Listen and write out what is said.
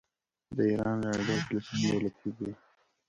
د ایران راډیو او تلویزیون دولتي دي.